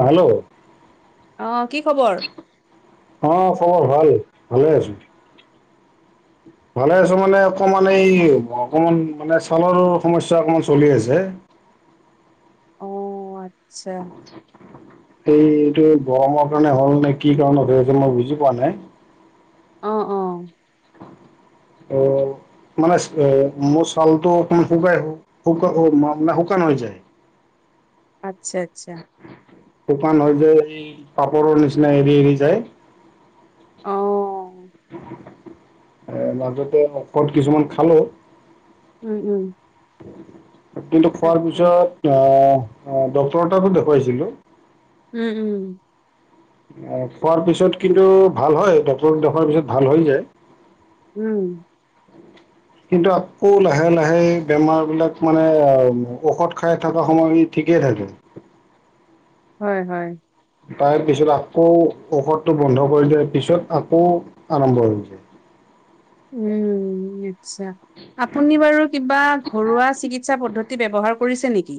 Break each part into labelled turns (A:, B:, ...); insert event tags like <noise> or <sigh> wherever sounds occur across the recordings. A: অ', hello অ'
B: কি খবৰ
A: খবৰ ভাল, ভালে আছো। ভালে আছো মানে অকমান এই অকমান মানে ছালৰ সমস্যা অকমান চলি আছে। <inaudible>
B: অ'। আচ্ছা।
A: এই এইটো গৰমৰ কাৰণে হ'ল নে কি কাৰণত হৈ আছে মই বুজি পোৱা নাই।
B: অ', অ'।
A: অ'। মানে এ মোৰ চালটো অকমান শুকাই শু-শু- মানে শুকান হৈ যায়।
B: আচ্ছা আচ্ছা।
A: শুকান হয় যায় এই পাপৰৰ নিচিনা এৰি এৰি যায়।
B: অ'।
A: এ মাজতে ঔষধ কিছুমান খালোঁ।
B: উম, উম।
A: কিন্তু খোৱাৰ
B: তাকে
A: পিছত অ' ডক্টৰৰ তাতো দেখুৱাইছিলোঁ।
B: উম, উম।
A: অ' খোৱাৰ পিছত কিন্তু ভাল হয় ডক্টৰক দেখুৱাৰ পিছত ভাল হৈ যায়।
B: উম।
A: কিন্তু আকৌ লাহে লাহে বেমাৰবিলাক মানে অ' ঔষধ খাই থকা সময় ঠিকে থাকে।
B: <inaudible> হয় হয়।
A: তাৰ পিছত আকৌ ঔষধটো বন্ধ কৰি দিয়াৰ পিছত আকৌ আৰম্ভ হৈ যায়।
B: উম। আচ্ছা আপুনি বাৰু কিবা ঘৰুৱা চিকিৎসা পদ্ধতি ব্যৱহাৰ কৰিছে নেকি?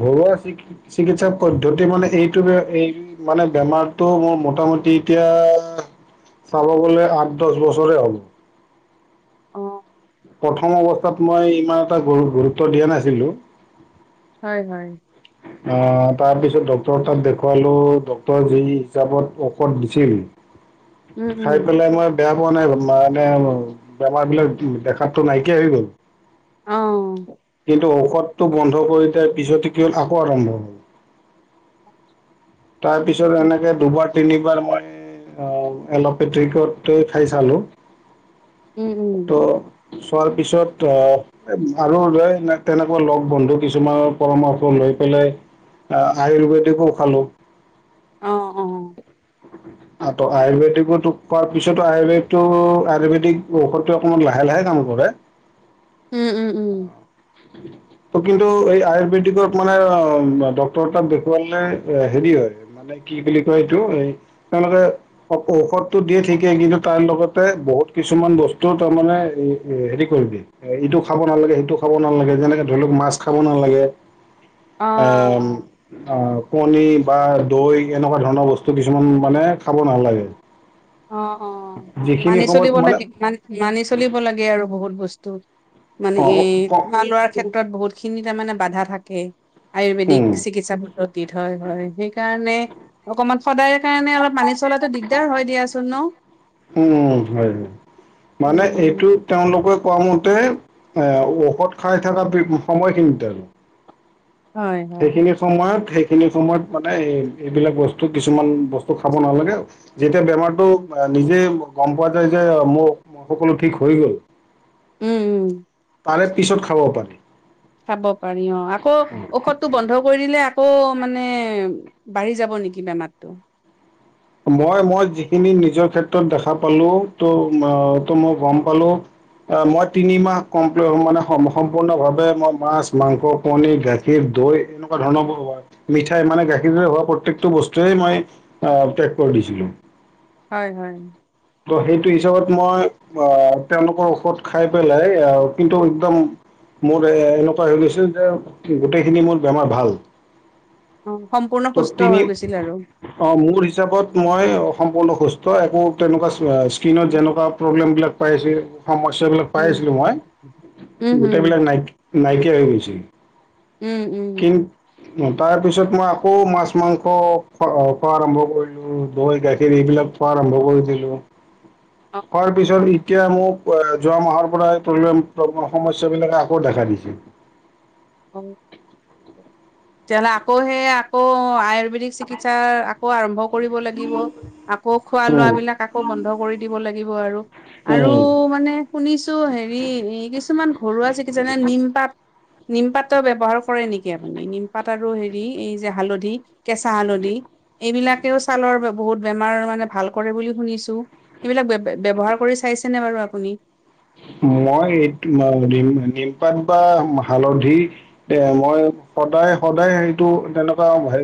A: ঘৰুৱা চি- চিকিৎসা পদ্ধতি মানে এইটো এই মানে বেমাৰটো মোৰ ম মোটামুটি এতিয়া চাব গ'লে আঠ দহ বছৰে হ'ল।
B: অ
A: প্ৰথম অৱস্থাত মই ইমান এটা গু গুৰুত্ব দিয়া নাছিলোঁ।
B: হয় হয়।
A: অ' তাৰপিছত ডক্টৰক তাত দেখুৱালোঁ ডক্টৰে যি হিচাপত ঔষধ দিছিল
B: উম উম
A: খাই পেলাই আমাৰ বেয়া পোৱা নাই মানে বেমাৰ বিলাক দেখাতো নাইকিয়া হৈ গ'ল।
B: অ'।
A: ত' ঔষধটো বন্ধ কৰি দিয়াই পিছতে কি হ'ল আকৌ আৰম্ভ হ'ল। তাৰ পিছত
B: সেইটো
A: এনেকে দুবাৰ তিনিবাৰ মই এ অ' এলপেথিকতে খাই চালো,
B: উম উম
A: ত' চোৱাৰ পিছত অ' আৰু লৈ তেনেকুৱা লগ বন্ধু কিছুমানৰ পৰামৰ্শ লৈ <unintelligible> অ' আয়ুৰ্বেদিকো খালোঁ।
B: অ', অ'।
A: আ ত' আয়ুৰ্বেদিকো খোৱাৰ পিছতো আয়ুৰ্বেদিকতটো আয়ুৰ্বেদিক ঔষধো অকণমান লাহে লাহে কাম কৰে। <unintelligible>
B: উম, উম, উম।
A: ত' কিন্তু এই আয়ুৰ্বেদিকত মানে অ' ডক্তৰ তাক দেখুৱালে হেৰি হয় মানে কি বুলি কয় এইটো এই তেওঁলোকে ঔষধটো দিয়ে ঠিকেই কিন্তু তাৰ লগতে বহুত কিছুমান বস্তু তাৰ মানে হেৰি কৰি দিয়ে, ইটো খাব নালাগে সেইটো খাব নালাগে যেনেকে ধৰি লওঁক মাছ খাব নালাগে।
B: অ
A: অম, অ'। কণী বা দৈ এনেকুৱা ধৰণৰ বস্তু কিছুমান মানে খাব নালাগে।
B: অ', অ',
A: যিখিনি
B: মানি
A: সময়ত
B: চলিব
A: মানে
B: লাগে মা মানি চলিব লাগে আৰু বহুত বস্তু। মানে
A: অ
B: এ
A: অ, ক
B: খোৱা লোৱাৰ ক্ষেত্ৰত বহুতখিনি তাৰমানে বাধা থাকে। আয়ুৰ্বেদিক
A: উম
B: চিকিৎসা পদ্ধতিত হয় হয় সেইকাৰণে অকমান সদায়ৰ কাৰণে অলপ মানি চলাটো দিগদাৰ হ
A: উম, হয় হয়, মানে
B: উম
A: এইটো
B: উম
A: তেওঁলোকে কোৱা ম <unintelligible> এ ঔষধ খাই থকা <unintelligible>
B: হয় হয়
A: সেইখিনি সময়ত সেই খিনি সময়ত মানে এ এইবিলাক বস্তু কিছুমান বস্তু খাব নালাগে। যেতিয়া বেমাৰতটো
B: উম
A: নিজেই গম পোৱা যায় যে মোৰ সকলো ঠিক হৈ গ'ল
B: উম উম
A: তাৰে পিছত খাব পাৰি
B: চাব পাৰি অ আকৌ ঔষধটো বন্ধ কৰি দিলে আকৌ মানে বাঢ়ি যাব নেকি বেমাৰতটো
A: মই মই যিখিনি নিজৰ ক্ষেত্ৰত দেখা পালো ত ত মই গম পালো মই তিনি মাহ কমপ্ মানে সম্পূৰ্ণভাৱে মই মাছ মাংস কণী গাখীৰ দৈ এনেকুৱা ধৰণৰ হয় মিঠাই মানে গাখীৰৰে হোৱা প্ৰত্যেকটো বস্তুৱয়ে মই কৰি দিছিলোঁ
B: হয় হয়
A: ত' সেইটো হিচাপত মই আহ তেওঁলোকৰ ঔষধ খাই পেলাই আহ কিন্তু একদম মোৰ এ এনেকুৱা হৈ গৈছে যে গোটেইখিনি মোৰ বেমাৰ ভাল
B: অ সম্পূৰ্ণ
A: ত
B: সুস্থ
A: তিনি
B: হৈ গৈছিল আৰু
A: অ মোৰ হিচাপত মই সম্পূৰ্ণ সুস্থ একো তেনেকুৱা স্কীনত
B: উম
A: যেনেকুৱা প্ৰব্লেম বিলাক পাইছে সমস্যবিলাক পাই
B: উম
A: আছিলো মই
B: উম উম
A: গোটেই বিলাক নাই নাইকিয়া হৈ গৈছিল
B: উম উম
A: অ তাৰ পিছত মই আকৌ মাছ মাংস খ খোৱা আৰম্ভ কৰিলো দৈ গাখীৰ এইবিলাক আৰম্ভ কৰিছিলো
B: অ
A: পোৱাৰ পিছত এতিয়া মোক যোৱা মাহৰ পৰাই পৰি সমস্যাাবলাকে আকৌ দেখা দিছিল
B: অ তেতিয়াহ'লে আকৌ সেই আকৌ আয়ুৰ্বেদিক চিকিৎসা আকৌ আৰম্ভ কৰিব লাগিব আকৌ খোৱা
A: উম
B: লোৱ বিলাক আকৌ বন্ধ কৰি দিব লাগিব আৰু আৰু
A: উম।
B: মানে শুনিছো হেৰি কিছুমান ঘৰুৱা চ কি যেনে নিমপাত নিমপাতো ব্য্ৱহাৰ কৰে নেকি আপুনি নিমপাত আৰু হেৰি এই যে হালধি কেঁচা হালধি এইবিলাকেও ছালৰ বহুত বেমাৰ ভাল কৰে বুলি শুনিছো সবিলাক ব্যৱহাৰ কৰি চাইছে ন বাৰু আপুনি
A: মই এই নিম নিমপাত বা হালধি এ মই সদায় সদায় এইটো তেনেকুৱা হে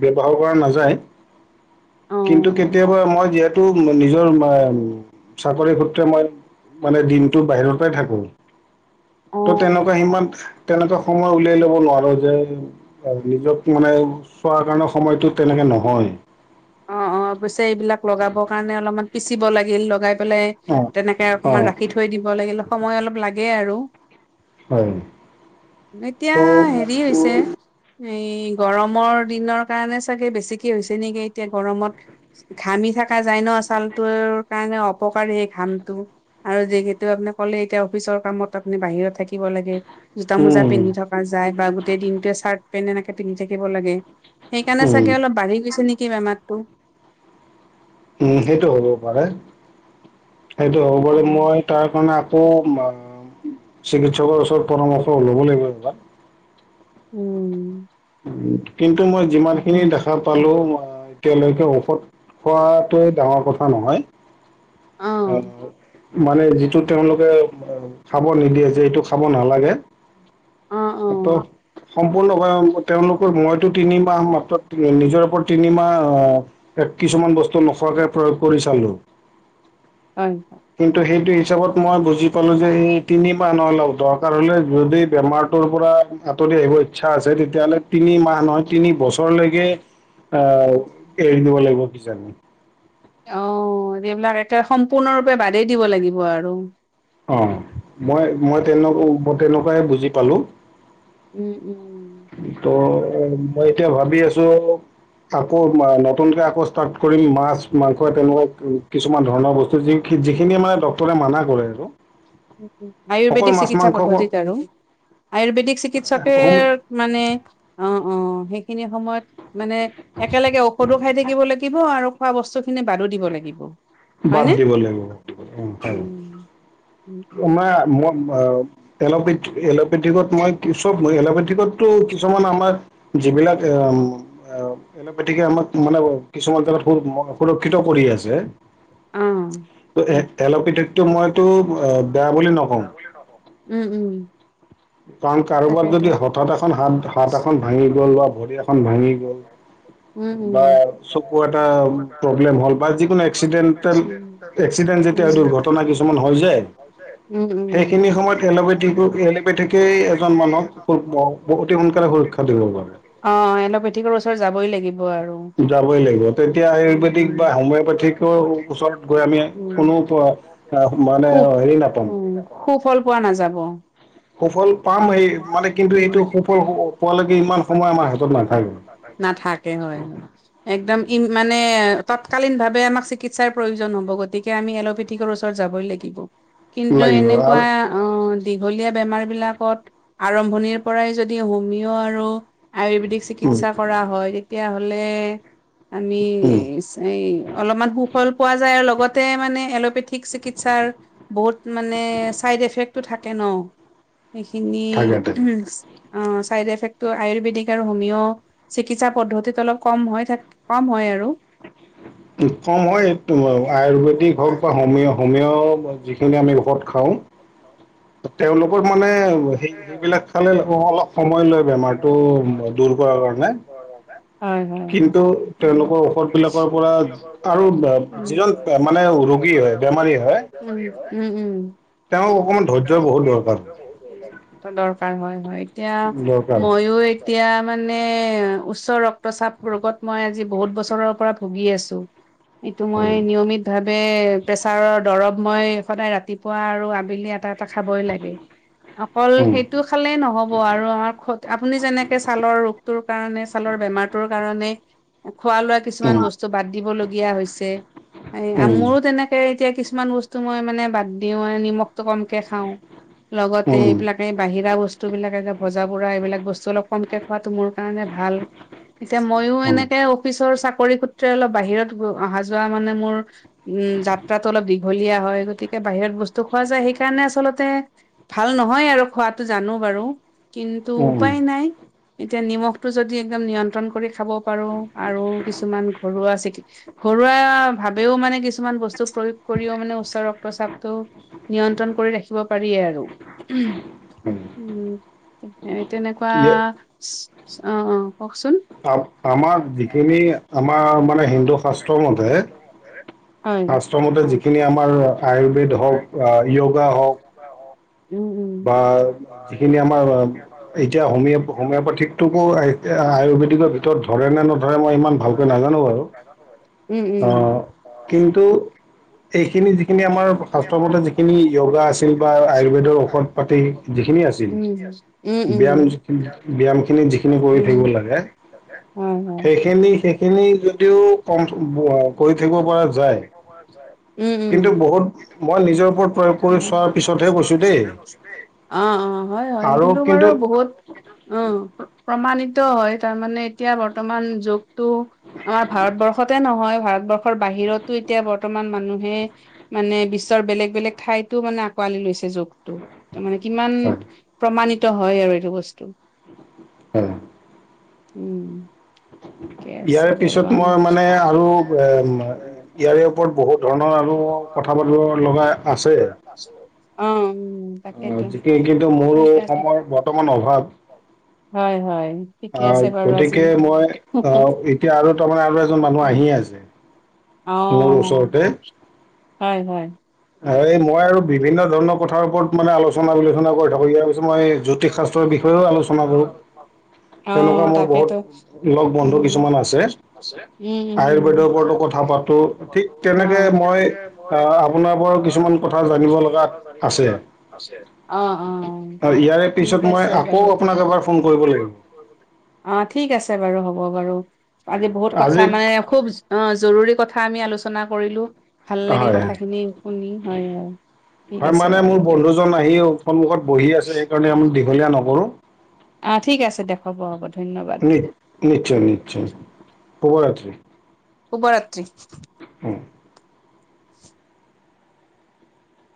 A: ব্য্ৱহাৰ কৰা নাযায়
B: অ'।
A: কিন্তু কেতিয়াবা মই যিহেতু নিজৰ চাকৰি মই মানে দিনটো বাহিৰৰ পৰাই থাকো ত' তেনেকুৱা
B: অ',
A: সিমান তেনেকুৱা সময় উলিয়াই লব নোৱাৰো যে নিজক মানে চোৱাৰ কাৰণে সময়তটো তেনেকে নহয়
B: অ অ অৱশ্যে এইবিলাক লগাবৰ কাৰণে অলপমান পিচিব লাগিল লগাই পে
A: অ
B: তেনেকে
A: অ
B: অকমান ৰাখি থৈ দিব লাগিলে সময় অলপ লাগে আৰু
A: হয়
B: এতিয়া
A: ত'
B: হেৰি হৈছে এই গৰমৰ দিনৰ কাৰণে চাগে বেছিকে হৈছে নেকি এতিয়া গৰমত ঘামি থকা যায় ন ছালটোৰ কাৰণে অপকাৰ স ঘামটো আৰু যিহেতু আপুনি ক'লে এতিয়া অফিচৰ কামত আপুনি বাহিৰত থাকে দিব লাগে জোতা মোজা
A: উম
B: পিন্ধি থকা যায় বা গোটেই দিনটোৱে চাৰ্ট পেন এনেকে পিন্ধি থাক লাগে সেইকাৰণে
A: উম
B: চাগে অলপ বাঢ়ি গৈছে নেি মমো
A: উম সেইটো হ'বও পাৰে সেইটো হ'ব প মই তাৰ কাৰণে আকৌ চিকিৎসকৰ পৰামৰ্শ ওলব লাগিব
B: উম
A: কিন্তু মই যিমান খিনি দেখা পালো এতিয়ালৈকে ঔষধ খোৱাটোৱে ডাঙৰ কথা নহয়
B: অ',
A: এ মানে যিটো তেওঁলোকে খাব নিদিয়ে যে এইটো খাব নালাগে
B: অ',
A: এটো
B: অ',
A: সম্পূৰ্ণ হয় তেওঁলোকৰ মইতো তিনিমাহ মাত্ৰ নিজৰ ওপৰত তিনিমাহ এ কিছুমান বস্তু নোখোৱাকে প্ৰয়োগ কৰি চালো।
B: <unintelligible>
A: কিন্তু সেইটো হিচাপত মই বুজি পালো যে সেই তিনি মাহৰলও দৰকাৰ হলে যদি বেমাৰ পৰা আঁতৰি আহিব ইচ্ছা আছে তেতিয়াহ'লে তিনি মাহ নহয় তিনি বছৰলৈকে আহ
B: হয়।
A: এৰি দিব লাগিব কিজানি।
B: অ', এইবিলাক একে সম্পূৰ্ণৰূপে বাদেই দিব লাগিব আৰু।
A: অ', মই মই তেন তেনেকুৱাই বুজি পালোঁ।
B: উম, উম।
A: ত' মই এতিয়া ভাবি আছোঁ। আকৌ নতুনকে আকৌ ষ্টাৰ্ট কৰিম মাছ মাংস তেনেকুৱা কিছুমান ধৰণৰ বস্তু যি যিখিনি মানে ড্ক্তৰে মানা কৰে আৰু। অকল
B: আয়ুৰ্বেদিক
A: মাছ
B: চিকিৎসা
A: মাংস
B: পদ্ধতিত আৰু। আয়ুৰ্বেদিক চিকিৎসকে
A: হোম
B: মানে অ'। অ', সেইখিনি সময়ত মানে একেলগে ঔষধো খাই থাকিব লাগিব আৰু খোৱা বস্তু খিনি বাদো দিব লাগিব।
A: বাদ
B: হয়নে?
A: দিব লাগিব, উম হয়।
B: উম উম উম
A: মই - - অ' এলোপেথিক এলোপেথিকত মই চব মই এলোপেথিকত তো কিছুমান আমাৰ যিম যিবিলাকা আম এলপেতিকে আমাক মানে কিছুমান <unintelligible> সুৰক্ষিত কৰি আছে।
B: অ',
A: ত এ এলপেথিকটো মইতো বেয়া বুলি নকওঁ।
B: উম, উম।
A: কাৰণ কাৰোবাৰ
B: তাকেইতো।
A: যদি হঠাৎ এখন হাত হাত এখন ভাঙি গল বা ভৰি এখন ভাঙি গ'ল।
B: উম,
A: বা
B: উম।
A: চকু এটা প্ৰব্লেম হ'ল বা যিকোনো এক্সিডেণ্ট যেতিয়া
B: <unintelligible>
A: দুৰ্ঘটনা কিছুমান হৈ যায়
B: উম,
A: সেইখিনি সময়ত
B: উম।
A: এল'পেথিকো এলপেথিকেই এজন মানুহক <unintelligible> অতি সোনকালে সুৰক্ষা দিব পাৰে।
B: এলোপেথিকৰ ওচৰতাব যাবই লাগ
A: যাবই লাগিব তেতিয়া আয়ুৰ্বেদিক বা হোমি'পেথিক ওচৰত গৈ আমি
B: উম,
A: কোনো মানে হেৰি নাপাম
B: ফল পোৱা নাযাব।
A: সুফল পাম সেই মানে কিন্তু
B: উম।
A: সেইটো সুফল পোৱালৈকে ইমান সময় আমাৰ হাতত নাথাকে।
B: নাথাকে হয়, হয়। একদম ই মানে তৎকালীন ভাৱে আমাক চিকিৎসাৰ প্ৰয়োজন হ'ব গতিকে আমি এল'পেথিকৰ ওচৰত যাবই লাগিব। কিন্তু
A: লাগিব আৰু
B: এনেকুৱা, অ'। দীঘলীয়া বেমাৰ বিলাকত আৰম্ভণিৰ পৰাই যদি হোমিঅ আৰু আয়ুৰ্বেদিক
A: উম
B: চিকিৎসা কৰা হয় তেতিয়াহলে আমি
A: উম
B: এই অলপমান সুখ পোৱা যায় আৰু লগতে মানে এলোপেথিক চিকিৎসাৰ বহুত মানে চাইডএফেক্টো থাক ন, সেইখিনি
A: থাকে
B: অ'
A: থাকে
B: <unintelligible> চাইডএফেক্টো আয়ুৰ্বেদিক আৰু হোমিঅ চিকিৎসা পদ্ধতিত অলপ কম হয় আৰু। <unintelligible>
A: কম হয় আয়ুৰ্বেদিক হওক বা হোমি হোমিঅ যিখিনি আমি ঘৰত খাওঁ। তেওঁলোকৰ মানে সেই সেইবিলাক খালে অলপ সময় লয় বেমাৰটো দূৰ কৰাৰ কাৰণে।
B: হয়, হয়।
A: কিন্তু
B: উম।
A: তেওঁলোকৰ ঔষধ বিলাকৰ পৰা আৰু যিজন মানে
B: <unintelligible>
A: ৰোগী হয় বেমাৰী হয়
B: উম, উম।
A: তেওঁক অকমান ধৈৰ্য্যৰ বহুত দৰকাৰ
B: <unintelligible> দৰকাৰ হয়, হয় এতিয়া
A: দৰকাৰ
B: মইও এতিয়া মানে উচ্চ ৰক্তচাপ ৰোগত মই আজি বহুত বছৰৰ পৰা ভুগি আছোঁ। এইটো মই
A: হয়
B: নিয়মিত ভাবে বে প্ৰেছাৰৰ দৰৱ মই সদায় ৰাতিপুৱা আৰু আবেলি এটা টা খাবই লাগে, অকল
A: উম
B: সেইটো খালে নহ'ব আৰু আমাৰ খ আমি যেনেকে ছালৰ ৰোগটোৰ কাৰণে, ছালৰ বেমাৰতোৰ কাৰনে খোৱা লোৱা কিছুমান
A: উম
B: বস্তু বাদ দিবলগীয়া হৈছে, এ, মোৰো
A: উম
B: তেনেকে এতিয়া কিছুমান বস্তু মই মানে বাদ দিও মানে নিমখটো কমকে খাওঁ। লগতে
A: উম
B: এইবিলাক এই বাহিৰা বস্তুবিলাকে যে ভজা বুৰা এইবিলাক বস্তুবিলাক কমকে খোৱাটো মোৰ কাৰণে ভাল। এতিয়া ময়ো
A: উম
B: এনেকে অফিচ চাকৰি সুত্ৰে অলপ বাহিৰত অহা যোৱা মানে মোৰ উম, যাত্ৰাতো অলপ দীঘলীয়া হয়। গতিকে বাহিৰত বস্তু খোৱা যায় সেইকাৰণে আচলতে ভাল নহয় আৰু খোৱাটো জানো বাৰু। কিন্তু
A: উম
B: উপায় নাই, এতিয়া নিমখটো যদি একদম নিয়ন্ত্ৰণ কৰি খাব পাৰোঁ আৰু কিছুমান ঘৰুৱা চি ঘৰুৱা ভাৱেও মানে কিছুমান বস্তু প্ৰয়োগ কৰিও মানে উচ্চ ৰক্তচাপটো নিয়ন্ত্ৰণ কৰি ৰাখিব পাৰিয়ে আৰু। উম, তেনেকুৱা
A: ইয়ে
B: অ', অ'। কওকচোন
A: আমাৰ যিখিনি আমাৰ মানে হিন্দু শাস্ত্ৰ মতে
B: হয়
A: শাস্ত্ৰমতে যিখিনি আমাৰ আয়ুৰ্বেদ হওক, য়োগা হওক
B: উম উম
A: বা যিখিনি আমাৰ এতিয়া হোম-হোমিঅ'পাথিকটোকো আয় হুপিটিকৰ ভিতৰত ধৰে নে নধৰে মই ইমান ভালকৈ নাজানো।
B: উম
A: আ,
B: উম
A: কিন্তু এহ খিনি যিখিনি আমাৰ শ্বাস্ত্ৰৰ মতে যিখিনি য়োগা আছিল বা আয়ুৰ্বেদৰ ঔষধ টেই যিখিনি আছিল।
B: উম উম উম
A: ব্যায়াম ব্যায়ামখিনি যিখিনি কৰি থাকিব
B: উম
A: লাগে
B: হয় হয়
A: সেইখিনি সেইখিনি যদিও কম ব-কৰি থাকিব পৰা যায়
B: উম। উম
A: কিন্তু বহুত মই নিজৰ ওপৰত প্ৰয়োগ কৰি চোৱাৰ পিছতহে কৈছোঁ দেই।
B: অ', অ' হয় হয় কিন্তু বাৰু বহুত অ' প্ৰমানিত হয়, তাৰমানানে এতিয়া বৰ্তমান যুগটো আমাৰ ভাৰতবৰ্ষতে নহয় ভাৰতবৰ্ষৰ বাহিৰতো এতিয়া বৰ্তমান মানুহে মানে বিশ্বৰ বেলেগ বেলেগ ঠাইতো মানে আঁকোৱালি লৈছে যোকটো। ত' মানে কিমান
A: হয়
B: প্ৰমাণিত হয় আৰু এইটো বস্তু।
A: হয়
B: উম। আছে
A: ইয়াৰে
B: বাৰু
A: পিছত মই মানে আৰু এ, ইয়াৰে ওপৰত বহুত ধৰণৰ আৰু ক-কথা বতত লগাই আছে।
B: অ'।
A: অ'
B: তাকেতো
A: যেতিয়া কিন্তু মোৰ সময়ৰ বৰ্তমান অভাৱ।
B: হয় হয়
A: আ,
B: ঠিকে আছে বাৰু আজি
A: গতিকে মই আ, এতিয়া আৰু তাৰমানে আৰু এজন মানুহ আহি আছে
B: অ'
A: মোৰ ওচৰতে
B: হয় হয়।
A: এই মই আৰু বিভিন্ন ৰৌন প্ৰথাৰ ওপৰত মানে আলোচনা বিলোচনা কৰি থাকো, ইয়াৰ পিছত মই জ্যোতিষ শাস্ত্ৰৰ বিষয়েও আলোচনা কৰোঁ। তেনেকুৱা
B: অ'
A: মোৰ বহুত
B: তাকেতো।
A: লগ বন্ধু
B: উম,
A: কিছুমান আছে
B: উম, উম, উম,
A: আয়ুৰ্বেদৰ ওপৰতো কথা পাতোঁ ঠিক তেনেকে
B: অ'।
A: মই
B: তেনেকে মই
A: আহ আপোনাৰ পৰাও কিছুমান কথা জানিব লগাত আছে।
B: অ', অ',
A: ইয়াৰে
B: ঠিক
A: পিছত মই
B: আছে
A: আকৌ
B: বাৰু।
A: আপোনাক এবাৰ ফোন কৰিব লাগিব।
B: অ' ঠিক আছে বাৰু হ'ব। হব বাৰু। আজি বহুত কথা
A: আজি
B: মানে খুব অ' জৰুৰী কথা আমি আলোচনা কৰিলোঁ। ভাল লাগিল
A: হয়
B: কথাখিনি শুনি, হয় হয়। ঠিক
A: হয়
B: আছে
A: মানে
B: বাৰু
A: মোৰ
B: দিয়ক।
A: বন্ধুজন আহিওঁ সন্মুখত বহি আছে সেইকাৰণে আমাক দীঘলীয়া নকৰোঁ।
B: আহ ঠিক আছে, দেখাব হ'ব ধন্যবাদ।
A: শুভৰাত্ৰী।
B: শুভৰাত্ৰি।
A: উম।